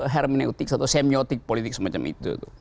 hermeneutik atau semiotik politik semacam itu